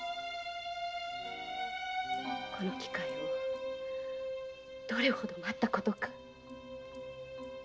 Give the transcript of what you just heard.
この機会をどれほど待ったことか。